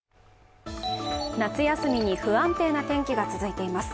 夏休みに不安定な天気が続いています。